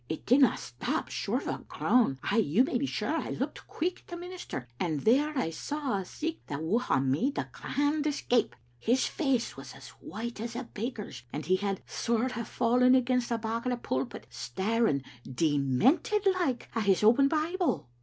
It didna stop short o' a groan. Ay, you may be sure I looked quick at the minister, and there I saw a sicht that would hae made the grandest gape. His face was as white as a baker's, and he had a sort of fallen against the back o' the pulpit, staring demented like at his open Bible."